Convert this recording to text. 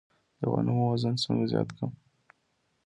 د غنمو وزن څنګه زیات کړم؟